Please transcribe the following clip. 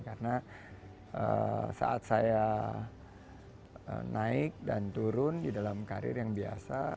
karena saat saya naik dan turun di dalam karir yang biasa